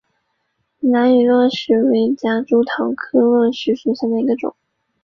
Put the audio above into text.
兰屿络石为夹竹桃科络石属下的一个种。